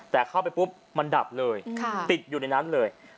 แต่เข้าไปปุ๊บมันดับเลยติดอยู่ในนั้นเลย